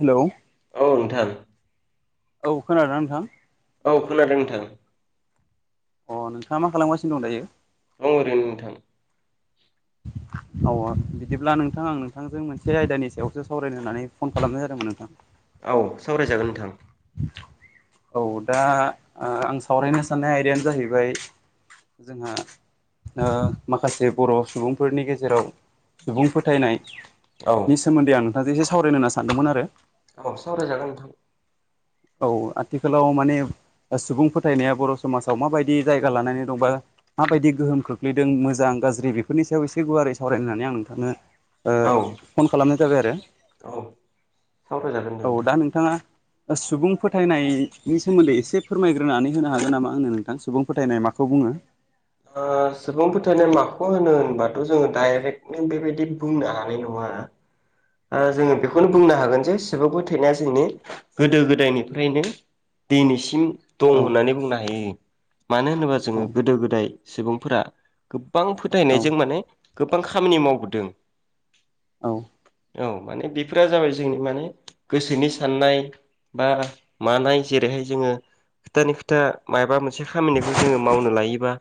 Hello औ नोंथां औ खोनादों ना‌ नोंथां? औ खोनादों नोंथां अ नोंथाङा मा खालामगासिनो दं दायो? दं ओरैनो नोंथां औ बिदिब्ला नोंथां आं नोंथांजों मोनसे आयदानि सायावसो सावरायनो होननानै फन खालामनाय जादोंमोन नोंथां औ सावरायजागोन नोंथां औ दा आ आं सावरायनो साननाय आयदायानो जाहैबाय जोंहा ओ माखासे बर' सुबुं फोरनि गेजेराव सुबुं फोथायनाय औ नि सोमोन्दै आं ओ एसे सावरायनो होनना सानदोंमोन आरो। अ' सावराय जागोन नोंथां। औ आथिखालाव माने सुबुं फोथायनाया बर' समाजाव माबायदि जायगा लानानै दंबा माबायदि गोहोम खोख्लैदों मोजां गाज्रि बेफोरनि सायाव एसे गुवारै सावरायनानै आं नोंथांनो ओ औ फन खालामनाय जाबाय आरो औ सावरायजागोन दे औ नोंथां दा नोंथाङा सुबुं फोथायनायनि सोमोन्दै एसे फोरमायग्रोनानै होनो हागोन नामा आंनो नोंथां सुबुं फोथायनाय माखौ बुङो? [inaudible] ओ सुबुं फोथायनाय माखौ होनो होनबाथ' जोङो डाइरेक्टनो बेबायदि बुंनो हानाय नङा। आ ओ जोङो बेखौनो बुंनो हागोन जे सुबुं फोथायनाया जोंनि गोदो गोदायनिफ्रायनो दिनैसिम दं औ होननानै बुंनो हायो। मानो होनोबा औ जोङो गोदो गोदाय सुबुंफोरा गोबां औ फोथायनायजों माने गोबां खामानि मावबोदों। औ औ माने बेफोरा जाबाय जोंनि माने गोसोनि साननाय बा मानाय जेरैहाय जोङो खोथानि खोथा माबा मोनसे खामानिखौ जोङो मावनो लायोबा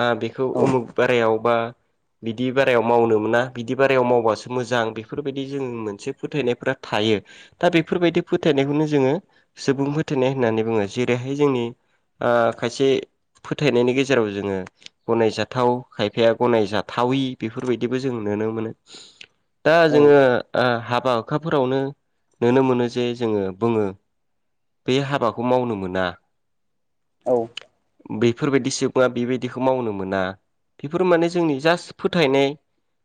ओ बेखौ औ उमुख बारायाव बा बिदि बारायाव मावनो मोना बिदि बारायाव मावबासो मोजां बे फोरबायदि जों मोनसे फोथायनायफोरा थायो दा बेफोरबायदि फोथायनायखौनो जोङो सुबुं फो थायनाय होननानै बुङो जेरैहाय जोंनि ओ खायसे फोथायनायनि गेजेराव जोङो गनायजाथाव खायफाया गनायजाथावि बेफोरबायदिबो जों नुनो मोनो दा जोङो ओ हाब बा हुखाफोरावनो नुनो मोनो जे जोङो बुङो बे हाबाखौ मावनो मोना। औ। बेफोरबायदि सुबुङा बेबायदिखौ मावनो मोना बेफोर माने जोंनि जास्ट फोथायनाय।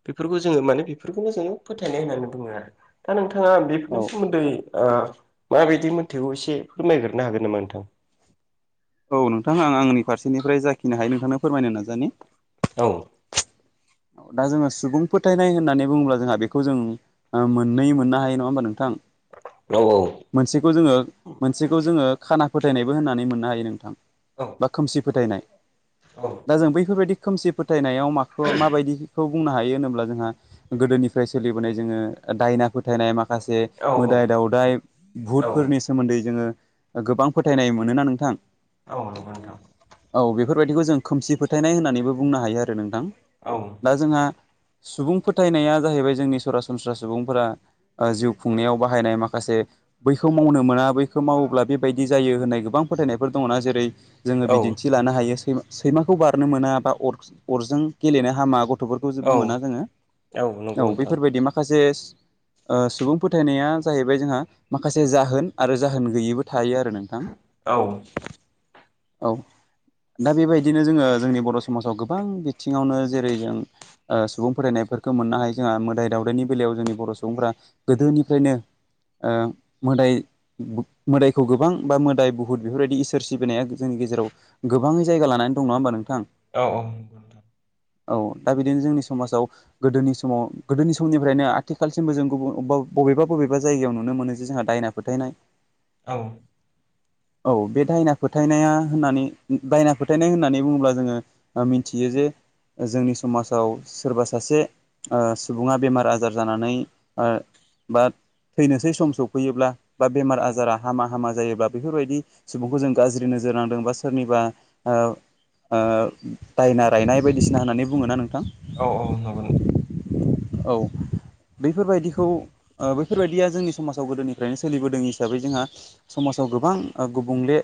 बेफोरखौ जोङो माने बेफोरखौनो जोङो फोथायनाय होननानै बुङो आरो दा नोथाङा औ बेफोरनि सोमोन्दै ओ माबायदि मोनथिगौ एसे फोरमायग्रोनो हागोन नामा नोंथां? औ नोंथां आं आंनि फारसेनिफ्राय जाखिनो हायो नोंथांनो फोरमायनो नाजानि। औ। दा जोङो सुबुं फोथायनाय होननानै बुङोब्ला जोंहा बेखौ जों मोन्नै मोननो हायो नङा होमबा नोंथां? औ मोनसेखौ जोङो मोनसेखौ जोङो खाना फोथायनायबो होननानै मोननो हायो नोंथां। औ बा खोमसि फोथायनाय। दा औ जों बैफोरबायदि खोमसि फोथायनायाव माखो माबायदि खौ बुंनो हायो होनोब्ला जोंहा गोदोनिफ्राय सोलिबोनाय जोङो दायना फोथायनाय मा खासे मोदाय दाउदाय औ भुटफोरनि सोमोन्दै जोङो गोबां फोथायनाय मोनोना नोंथां। औ नंगौ नोंथां। औ बेफोरबायदिखौ जों खोमसि फोथायनाय होननानैबो बुंनो हायो आरो नोंथां। औ। दा जोंहा सुबुं फोथायनाया जाहैबाय जोंनि सरासनस्रा सुबुंफोरा जिउ खुंनायाव बाहायनाय माखासे बैखौ मावनो मोना बैखौ मावोब्ला बेबायदि जायो होननाय गोबां फोथायनायफोर दङ'ना जेरै जोङो बिदिन्थि लानो हायो सैमा सैमाखौ बारनो मोना बा अर अरजों गेलेनो हामा गथ' थ'फोरखौ बुङोना औ जोङो नंगौ औ नोंथां बेफोरबायदि माखासेस ओ सुबुं फोथायनाया जाहैबाय जोंहा माखासे जाहोन आरो जाहोन गैयैबो थायो आरो नोंथां। औ औ दा बेबायदिनो जोङो जोंनि बर' समाजाव गोबां बिथिङावनो जेरै जों। ओ सुबुं फरायनायफोरखौ मोननो हायो जोंहा मोदाय दावदायनि बेलायाव जोंनि बर' सुबुंफोरा गोदोनिफ्रायनो। ओ मोदाय। मोदायखौ गोबां बा मोदाय बुहुत बेफोरबायदि इसोर सिबिनाया जोंनि गेजेराव गोबाङै जायगा लानानै। दङ होबा नोंथां। औ औ नोंगौ नोंथां। औ। दा बिदिनो जोंनि समाजाव गोदोनि समाव गोदोनि समनिफ्रायनो आथिखालसिमबो जों गुबुन बबेबा बबेबा। बबेबा जायगायाव नुनो मोनो जे जोंहा दायना फोथायनाय। औ। [inaudible] औ बे दायना फोथायनाया होननानै दायना फोथायनाय होननानै बुङोब्ला जोङो मिथियो जे जोंनि समाजाव सोरबा सासे सुबुङा बेमार आजार जानानै बा थैनोसै सम सफैयोब्ला बा बेमार औ आजारा हामा हामा जायोब्ला बेफोरबायदि सुबुंखौ जों गाज्रि नोजोर नांदों बा सोरनिबा दायना रायनाय बायदिसिना होननानै। बुङोना नोंथां औ औ नगौ नोंथां। औ। बैफोरबायदिखौ बैफोरबायदिया जोंनि समाजाव गोदोनिफ्रायनो सोलिबोदों हिसाबै जोंहा। समाव गोबां गुबुंले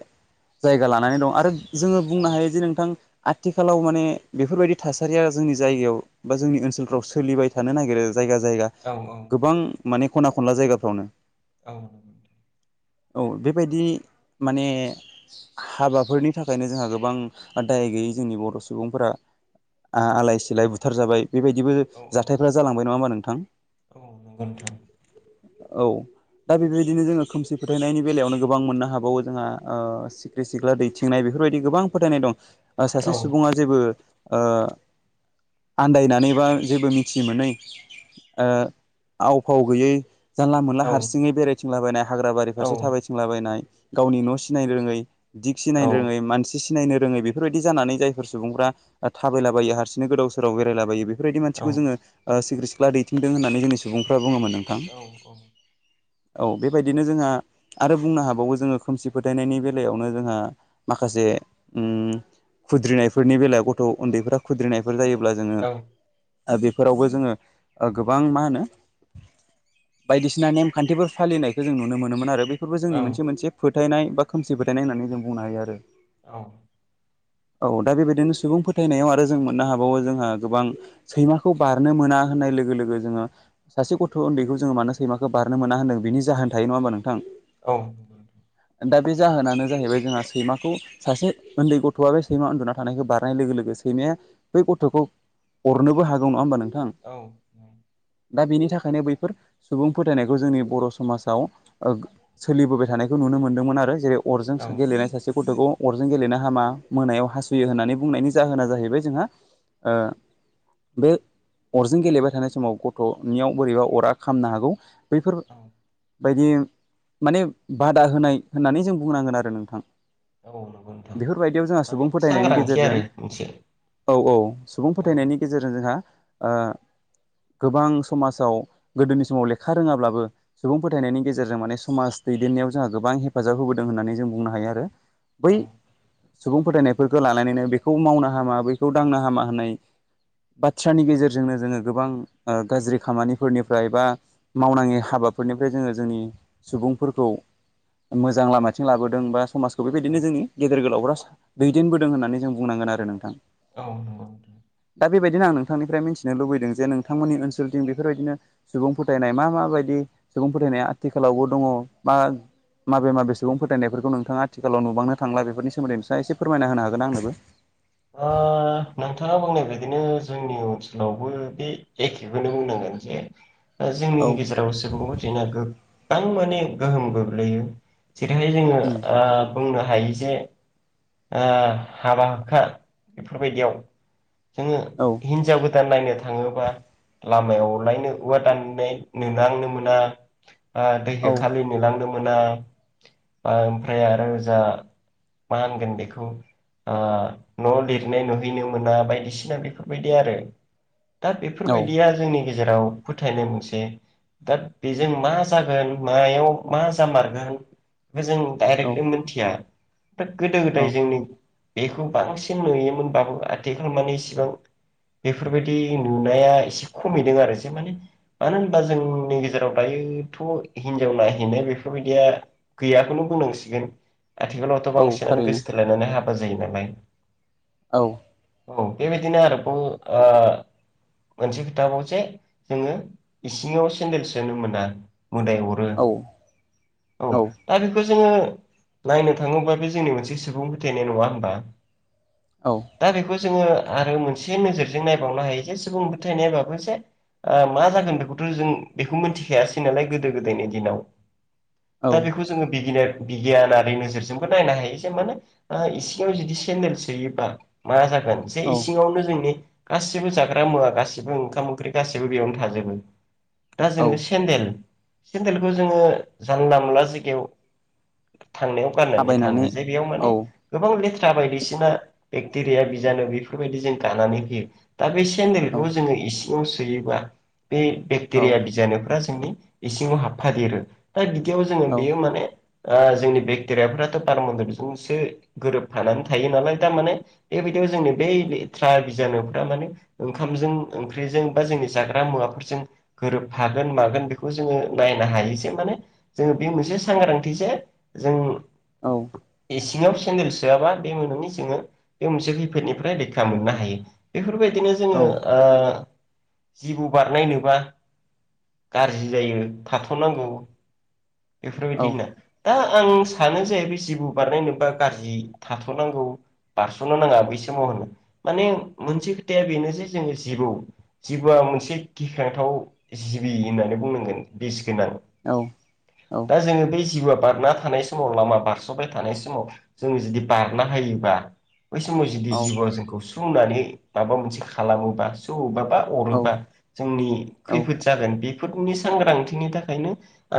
जायगा लानानै दं आरो जोङो औ बुंनो हायो जे नोंथां। आथिखालाव माने बेफोरबायदि थासारिया जोंनि जायगायाव बा जोंनि ओनसोलफ्राव सोलिबाय थानो नागिरो। जायगा जायगा औ गोबां माने खना खनला जायगाफ्रावनो। औ नोंथां। औ बेबायदि माने हाबाफोरनि थाखायनो जोंहा गोबां। दाय गैयै जोंनि बर' सुबुंफोरा औ आलाय सिलाय बुथारजाबाय बेबायदिबो औ औ जाथायफोरा जालांबाय नङा होनबा नोंथां औ नंगौ नोंथां औ। दा बेबायदिनो जोङो खोमसि फोथायनायनि बेलायावनो गोबां मोननो हाबावो जोंहा ओ सिख्रि सिख्ला दैथिंनाय बे बेफोरबायदि गोबां फोथायनाय दं। सासे औ सुबुङा जेबो ओ आन्दायनानै बा जेबो मिथिमोनै ओ आव फाव गैयै जानला मोनला औ हारसिङै बेराय। थिंलाबायनाय हाग्रा बारि औ फारसे थाबायथिंलाबायनाय गावनि न' सिनाय रोङै। औ दिगसिनायनो रोङै मानसि सिनायनो रोङै बेफोरबायदि जानानै जायफोर सुबुंफ्रा थाबायलाबायो हारसिंनो गोदाव सोराव बेरायलाबायो बे बेबायदि औ मानसिखौ नंगौ नोंथां जोङो। ओ सिखिरि सिख्ला दैथिंदों होननानै जोंनि सुबुंफ्रा बुङोमोन नोंथां। औ औ बेबायदिनो जोंहा आरो बुंनो हाबावो जोङो खोमसि फोथायनायनि बेलायावनो जोंहा माखासे। ओम खुद्रिनायफोरनि बेलायाव गथ' उन्दैफोरा खुद्रिनाय। जायोब्ला जोङो बेफोरावबो जोङो गोबां मा होनो। बायदिसिना नेमखान्थिफोर फालिनायखौ जों नुनो मोनोमोन आरो बे। बे फोरबो जोंनि मोनसे मोनसे फोथायनाय बा खोमसि फोथायनाय होननानै जों बुंनो हायो आरो। औ। औ दा बेबायदिनो सुबुं फोथायनायाव आरो जों मोननो हाबावो जोंहा गोबां सैमा। खौ बारनो मोना होननाय लोगो लोगो जोङो सासे गथ' उन्दैखौ जोङो मानो सैमाखौ बारनो मोना होनदों बेनि जाहोन थायो नङा होना नोंथां? औ। दा बे जाहोनानो जाहैबाय जोंहा सैमाखौ सासे उन्दै गथ'आ बे सैमा उन्दुना थानायखौ बारनाय लोगो लोगोसे सैमाया बै गथ'खौ अरनोबो हागौ नङा होमबा नोंथां? औ। दा बेनि थाखायनो बैफोर सुबुं फोथायनायखौ जोंनि बर' समाजाव ओ सोलिबोबाय थानायखौ नुनो मोनदोंमोन आरो जेरै अरजों गेलेनाय सासे गथ'खौ अरजों गेलेनो हामा मोनायाव हासुयो होननानै बुंनायनि जाहोना जाहैबाय जोंहा। ओ बे अरजों गेलेबाय थानाय समाव गथ'नियाव बोरैबा अरा खामनो हागौ औ बैफोरबायदि माने बादा होनाय होननानै जों बुंनांगोन आरो नोंथां। नंगौ नोंथां बेफोरबायदियाव जोंहा माने सुबुं फोथायनायनि सांग्रांथि गेजेरजों। आरो मोनसे औ-औ सुबुं औ फोथायनायनि गेजेरजों जोंहा ओ गोबां समाजाव गोदोनि समाव लेखा रोङाब्लाबो सुबुं फोथायनायनि गेजेरजों माने समाज दैदेननायाव जोंहा गोबां हेफाजाब होबोदों होननानै जों बुंनो हायो आरो बै औ सुबुं फोथायनायफोरखौ लानानैनो बेखौ मावनो हामा बेखौ दांना हामा होननाय बाथ्रानि गेजेरजोंनो जोङो गोबां गाज्रि खामानिफोरनिफ्राय बा मावनाङि हाबाफोर फोरनिफ्राय जोङो जोंनि सुबुंफोरखौ मोजां लामाथिं लाबोदों बा समाजखौ औ बेबायदिनो जोंनि गेदेर गोलावफ्रा दैदेनबोदों होननानै जों बुंनांगोन आरो नोंथां औ नंगौ दा बेबायदिनो आं नोंथांनिफ्राय मिथिनो लुबैदों जे नोंथांमोननि ओनसोलथिं बेफोरबायदिनो सुबुं फोथायनाय मा माबायदि सुबुं फोथायनाया आथिखालावबो दङ बा माबे माबे सुबुं फोथायनायफोरखौ नोंथाङा आथिखालाव नुबांनो थांला बेफोरनि सोमोन्दै नोंथाङा एसे फोरमायना होनो हागोना आंनोबो ओ नोंथाङा बुंनाय बादिनो जोंनि ओनसोलावबो बे एखेखौनो बुंनांगोन [unintelligible] औ जोंनि गेजेराव सुबुं फोथायनाया गोबां माने गोहोम गोग्लैयो जेरैहाय जोङो उम ओ बुंनो हायो जे ओ हाबा हुखा बेफोरबायदियाव जोङो औ हिनजाव गोदा दान नायनो थाङोबा लामायावनो औवा दाननाय नुलांनो मोना आ दै औ हाखालि औ नुलांदों मोना ओमफ्राय आरो जा मा होनगोन बेखौ ओ न' लिरनाय नुहैनो मोना बायदिसिना बेफोरबायदि आरो दा बेफोरबायदिया जोंनि गेजेराव फोथायनाय मोनसे दा बेजों मा जागोन मायाव मा जामारगोन बो जों औ डायरेक्टलि मोनथिया दा औ गोदो-गोदाय जोंनि बेखौ बांसिन मोनैयोमोनबाबो आथिखाल माने इसिबां बेफोरबायदि नुनाया एसे खमिदों आरो जे माने मानो होनबा जोंनि गेजेराव दायोथ' हिनजाव नायहैनाय बेफोरबायदिया गैयाखौनो बुंनांसिगोन आथिखालावथ' औ बांसिनानो थारैनो गोसथोलायनानै हाबा जायो नालाय औ औ बेबायदिनो आरोबाव आ मोनसे खोथा बावसे जोङो इसिङाव सेन्देल सोनो मोना मोदाय अरो औ औ दा बेखौ जोङो नायनो थाङोब्ला बे जोंनि मोनसे सुबुं फोथायनाय नङा होमबा औ दा बेखौ जोङो आरो मोनसे नोजोरजों नायबावनो हायो जे सुबुं फोथायनाय बाबो जे ओ मा जागोन बेखौथ' जों बेखौ मिथिखायासै नालाय गोदो-गोदायनि दिनाव औ दा बेखौ जोङो बिगिनार बिगियानारि नोजोरजोंबो नायनो हायो एसे मानोे ओ इसिङाव जुदि सेन्देल सोयोबा मा जागोन जे इसिङावनो जोंनि गासिबो जाग्रा मुवा गासिबो ओंखाम-ओंख्रि गासिबो बेयावनो थाजोबो दा औ जोंनो सेन्देल सेन्देलखौ जोङो जानला मोनला जायगायाव थांनायाव गाननानै थाबायनानै थाङो जे बेयाव औ माने गोबां ले थ्रा बायदिसिना बेक्टेरिया बिजानु बेफोरबायदि जों गानानै फैयो दा बे औ सेन्देलखौ जोङो इसिङाव सोयोबा बे औ बेक्टेरिया बिजानुफ्रा जोंनि इसिङाव हाबफा देरो। दा बिदियाव जोङो औ बेयो माने ओ जोंनि बेक्टेरियाफ्राथ' बारमणडल जों सो गोरोबफानानै थायो नालाय थामाने बेबायदियाव जोंनि बै लेथ्रा बिजानुफ्रा माने ओंखामजों ओंख्रिजों बा जोंनि जाग्रा मुवाफोरजों गोरोबफागोन मागोन बेखौ जों ओ नायनो हायो जे माने जोङो बे मोनसे सांग्रांथि जे जों औ सिङाव सेन्देल सोआबा बे मोननि जोङो बे मोनसे खैफोदनिफ्राय रैखा मोननो हायो। बेफोरबाय दिनो जोङो औ ओ जिबौ बारनाय नुबा गाज्रि जायो थाथ'नांगौ औ बेफोरबायदि होनना दा आं सानो जे जिबौ बारनाय नुबा गाज्रि थाथ'नांगौ बारस'नो नाङा बै समाव होनो माने मोनसे खोथाया बेनो जे जोङो जिबौ जिबौआ मोनसे गिख्रांथाव जिबि होननानै बुंनांगोन बिस गोनां। औ दा जोङो बे जिबौआ बारना थानाय समाव लामा बार सबाय थानाय समाव जोङो जुदि बारना होयोबा बै समाव जुदि जिबआ जोंखौ सौ नानै माबा मोनसे खालामोबा सौवोबा बा अरोबा जोंनि खैफोद जागोन बे बेफोरनि सांग्रांथिनि थाखायनो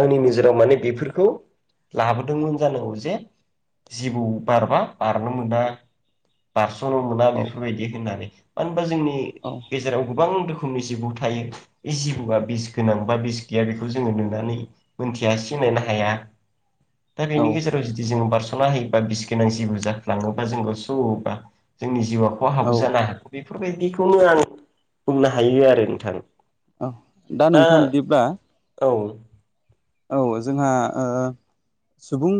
आंनि नोजोराव माने बेफोरखौ लाबोदोंमोन जानांगौ जे जिबौ बारबा बारनो मोना बारस' नो मोना बेफोरबायदि होननानै मानो होनबा जोंनि गेजेराव गोबां रो खोमनि जिबौ थायो बे जिबौआ बिस गोनां बा बिस गैया बेखौ जोङो नुनानै मोनथियासिनो बेनो हाया। दा औ बिनि गेजाव जि बारस'ना होयोबा बिस गोनां जिबौ जाफ्लाङोबा जोंखौ सौवोबा जोंनि जिउआव औ खहाबौ जानो हागौ बेफोरबायदिखौनो आं बुंनो हायो आरो नोंथां औ दा नोंथां बिदिब्ला औ औ जोंहा ओ सुबुं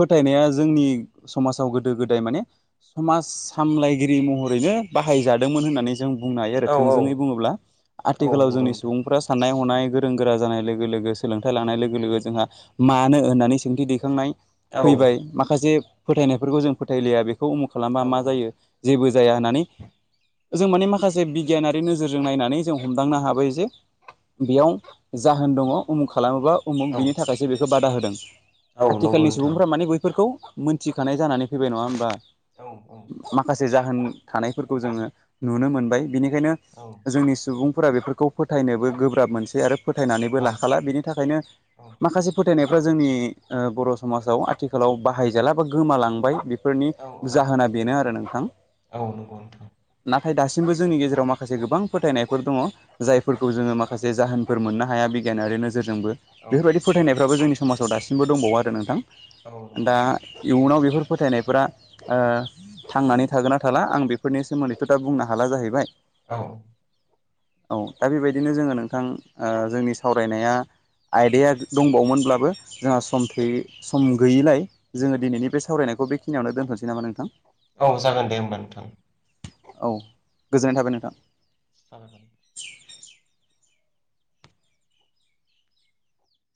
फोथायनाया जोंनि समाजाव गोदो गोदाय माने समाज सामलायगिरि महरैनो बाहायजादोंमोन होननानै जों बुंनो हायो औ थोंजोङै बुङोब्ला औ आथिखालाव नंगौ जोंनि नोंथां सुबुंफोरा साननाय हनाय गोरों गोरा जानाय लोगो लोगो सोलोंथाइ लानाय लोगो लोगो जोंहा मानो होननानै सोंथि दैखांनाय औ फैबाय माखासे फोथायनायफोरखौ जों फोथायलिया बेख बेखौ उमुख खालामबा औ मा जायो जेबो जाया औ होननानै जों माने माखासे बिगियानारि नोजोरजों नायनानै जों हमदांनो हाबाय जे बेयाव जाहोन दङ उखुग खालामोबा उमुख नंगौ बिनि थाखायसो बेखौ बादा होदों आथिखालनि नोंथां सुबुंफ्रा माने बैफोरखौ मोनथिखानाय जानानै फैबाय नङा होमबा औ नंगौ माखासे जाहोन थानायफोरखौ जोङो नुनो मोनबाय बिनिख खायनो जोंनि सुबुंफोरा बेफोरखौ फोथायनोबो गोब्राब मोनसै आरो फोथायनानैबो लाखाला बेनि थाखायनो माखासे फोथायनायफ्रा जोंनि बर' समाजाव आथिखालाव बाहायजाला बा गोमालांबाय बे फोरनि जाहोना बेनो आरो नोंथां नोंथां नाथाय दासिमबो जोंनि गेजेराव माखासे गोबां फोथायनायफोर दङ जायफोरखौ जोङो माखासे जाहोनफोर मोननो हाया बि गियान आरो नोजोरजोंबो औ बेफोरबायदि फोथायनायफ्राबो जोंनि समाजाव दासिमबो दंबावो आरो नोंथां औ नंगौ दा नोंथां इयुनाव बेफोर फोथायनायफोरा ओ थांनानै थागोन ना थाला आं बेफोरनि सोमोन्दैथ' दा बुंनो हाला जाहैबाय औ औ दा बेबायदिनो जोङो नोंथां ओ जोंनि सावरायनाया आयदाया दंबावोमोनब्लाबो जोंहा सम थोयि सम गैयिलाय जोङो दिनैनि बे सावरायनायखौ बेखिनियावनो दोनथसैनामा नोंथां? औ जागोन दे होमबा नोंथां। औ गोजोननाय थाबाय नोंथां। [unintelligible] [inaudible]